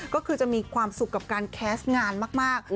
ก็คือจะมีความสุขกับการแคสต์งานมาก